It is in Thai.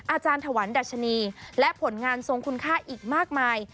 อาจารย์ถวันดัชนีและผลงานทรงคุณค่าอีกมากมาย